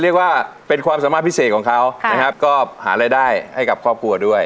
เรียกว่าเป็นความสามารถพิเศษของเขานะครับก็หารายได้ให้กับครอบครัวด้วย